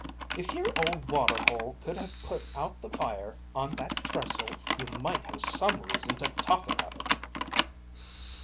If your old water hole could have put out the fire on that trestle you might have some reason to talk about it."